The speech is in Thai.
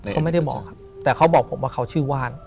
เขาไม่ได้บอกครับแต่เขาบอกผมว่าเขาชื่อว่าน